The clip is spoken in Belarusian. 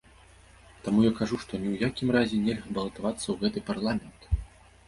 Таму я кажу, што ў ніякім разе нельга балатавацца ў гэты парламент.